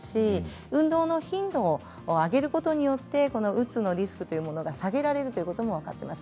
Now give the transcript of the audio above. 運動の頻度を上げることによってうつのリスクが下げられることも分かっています。